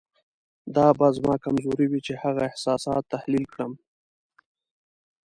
دا به زما کمزوري وي چې هغه احساسات تحلیل کړم.